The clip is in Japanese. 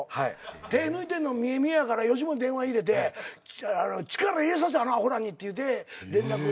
手ぇ抜いてんの見え見えやから吉本に電話入れて力入れさせあのアホらにって言うて連絡。